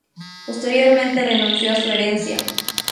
Posteriormente renunció a su herencia.